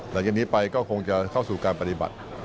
หลังจากนี้ไปก็คงจะเข้าสู่การปฏิบัติ